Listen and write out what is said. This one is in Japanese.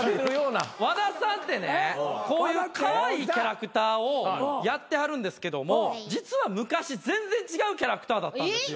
和田さんってねこういうカワイイキャラクターをやってはるんですけども実は昔全然違うキャラクターだったんですよ。